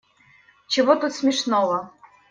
Чего тут смешного?